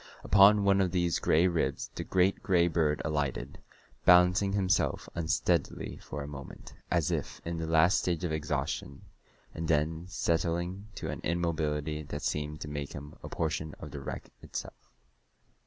Upon one of these gray ribs the great gray bird alighted, balancing himself unsteadily for a moment, as if in the last stage of exhaustion, and then settling to an immobility that seemed to make him a portion of the wreck itself.